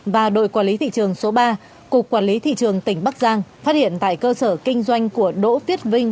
và đội quản lý thị trường số ba cục quản lý thị trường tỉnh bắc giang phát hiện tại cơ sở kinh doanh của đỗ viết vinh